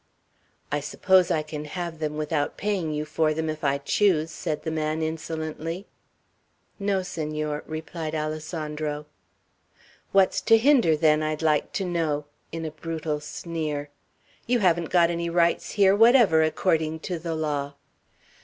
"I suppose I can have them without paying you for them, if I choose," said the man, insolently. "No, Senor," replied Alessandro. "What's to hinder, then, I'd like to know!" in a brutal sneer. "You haven't got any rights here, whatever, according to law."